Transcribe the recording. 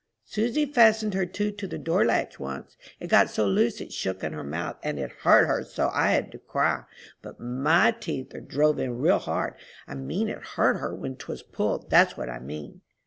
Susy fastened her tooth to the door latch once. It got so loose it shook in her mouth, and it hurt her so I had to cry. But my teeth are drove in real hard. I mean it hurt her when 'twas pulled, that's what I mean.